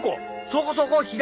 そこそこ！